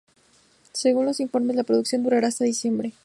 Según los informes, la producción durará hasta diciembre.